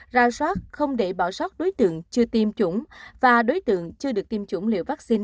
ra soát không để bỏ sót đối tượng chưa tiêm chủng và đối tượng chưa được tiêm chủng liều vaccine